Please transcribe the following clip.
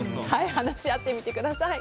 話し合ってみてください。